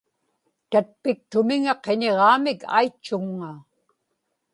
tatpiktumiŋa qiñiġaamik aitchuŋŋa